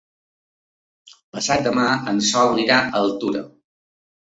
Demà passat en Sol irà a Altura.